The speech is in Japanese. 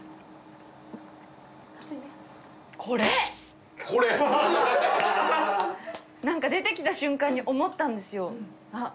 熱いね何か出てきた瞬間に思ったんですよあっ